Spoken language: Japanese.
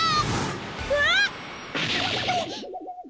うわっ！